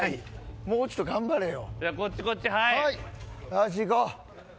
もうちょっと頑張れよ。